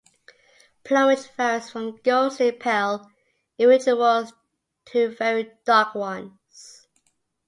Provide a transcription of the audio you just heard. Plumage varies from ghostly pale individuals to very dark ones.